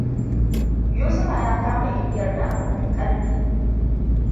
Yusufa ya kama igiyar da abu mai ƙarfi.